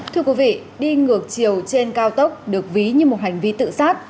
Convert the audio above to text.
thưa quý vị đi ngược chiều trên cao tốc được ví như một hành vi tự sát